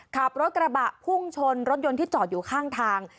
ขับรถกระบะพุ่งชนรถยนต์ที่จอดอยู่ข้างทาง